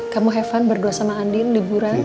kamu have fun berdua sama andin liburan